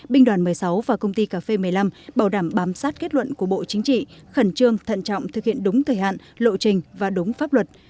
binh đoàn một mươi sáu và công ty cà phê một mươi năm bảo đảm bám sát kết luận của bộ chính trị khẩn trương thận trọng thực hiện đúng thời hạn lộ trình và đúng pháp luật